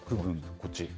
こっち。